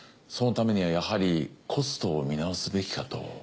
そのためにはやはりコストを見直すべきかと。